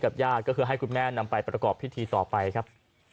ขอบคุณครับ